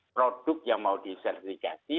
produk yang mau disertifikasi